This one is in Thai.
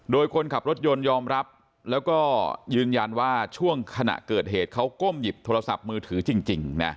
โดยคนขับรถยนต์ยอมรับแล้วก็ยืนยันว่าช่วงขณะเกิดเหตุเขาก้มหยิบโทรศัพท์มือถือจริงนะ